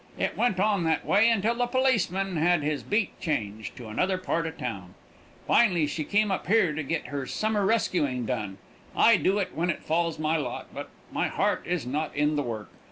It went on that way until the policeman had his beat changed to another part of town. Finally, she came up here to get her summer rescuing done. I do it when it falls to my lot, but my heart is not in the work.